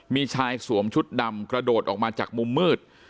มีชายสวมชุดดำกระโดดออกมาจากมุมมืด